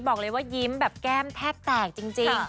บอกเลยว่ายิ้มแบบแก้มแทบแตกจริง